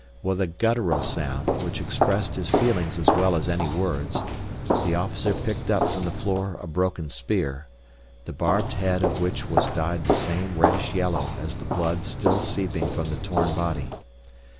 With a guttural sound which expressed his feelings as well as any words, the officer picked up from the floor a broken spear, the barbed head of which was dyed the same reddish yellow as the blood still seeping from the torn body.